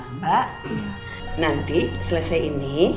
mbak nanti selesai ini